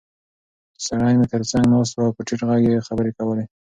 سړی مې تر څنګ ناست و او په ټیټ غږ یې خبرې کولې.